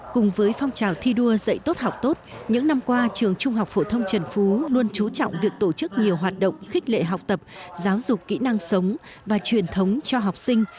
cùng với phong trào thi đua dạy tốt học tốt những năm qua trường trung học phổ thông trần phú luôn trú trọng việc tổ chức nhiều hoạt động khích lệ học tập giáo dục kỹ năng sống và truyền thống cho học sinh